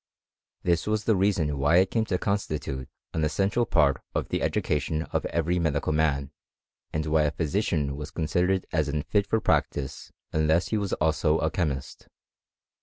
This was the reason why it came to constitute an essential part of the education of every medical man, and why a physician was con sidered as unfit for practice unless he was also a chemist.